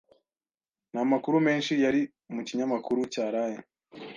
Nta makuru menshi yari mu kinyamakuru cyaraye.